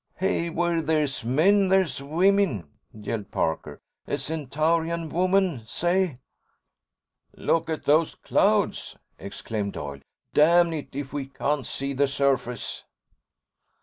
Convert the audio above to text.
"Hey, where there's men, there's women!" yelled Parker. "A Centaurian woman! Say!" "Look at those clouds!" exclaimed Doyle. "Damn it, we can't see the surface."